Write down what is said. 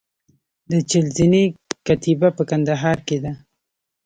د چهل زینې کتیبه په کندهار کې ده